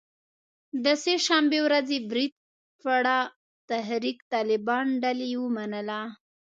د سه شنبې ورځې برید پړه د تحریک طالبان ډلې ومنله